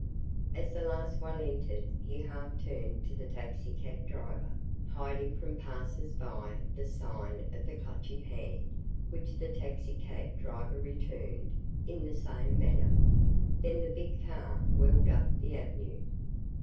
As the last one entered, he half turned to the taxicab driver, hiding from passers by the sign of the Clutching Hand which the taxicab driver returned, in the same manner. Then the big car whirled up the avenue.